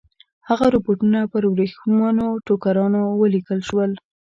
هغه رپوټونه پر ورېښمینو ټوکرانو ولیکل شول.